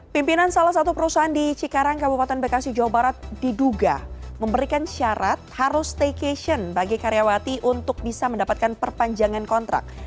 pimpinan salah satu perusahaan di cikarang kabupaten bekasi jawa barat diduga memberikan syarat harus staycation bagi karyawati untuk bisa mendapatkan perpanjangan kontrak